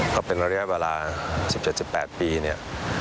ก็เป็นระยะเวลา๑๗๑๘ปีเนี่ย